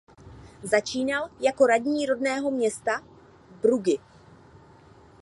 Začínal jako radní rodného města Bruggy.